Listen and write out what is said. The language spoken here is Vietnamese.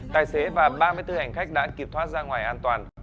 tài xế và ba mươi bốn hành khách đã kịp thoát ra ngoài an toàn